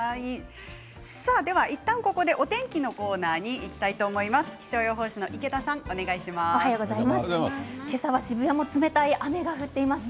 ではいったんここでお天気のコーナーにいきたいと思います。